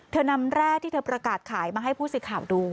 นำแร่ที่เธอประกาศขายมาให้ผู้สื่อข่าวดู